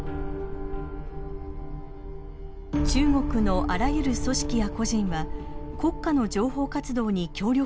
中国のあらゆる組織や個人は国家の情報活動に協力するよう義務づけられています。